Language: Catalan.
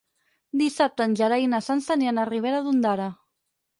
Dissabte en Gerai i na Sança aniran a Ribera d'Ondara.